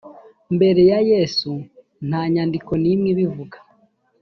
mbere ya yesu nta nyandiko n’imwe ibuvuga